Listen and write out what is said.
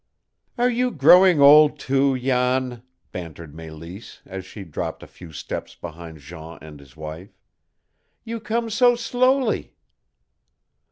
"Are you growing old, too, Jan?" bantered Mélisse, as she dropped a few steps behind Jean and his wife. "You come so slowly!"